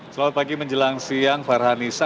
selamat pagi menjelang siang farhan nisa